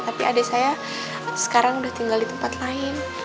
tapi adik saya sekarang udah tinggal di tempat lain